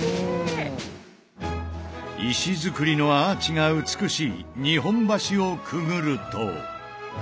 石造りのアーチが美しい日本橋をくぐると。